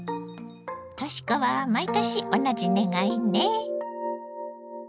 とし子は毎年同じ願いね。